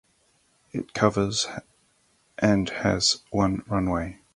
It covers and has one runway.